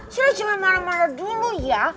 silla jangan marah marah dulu ya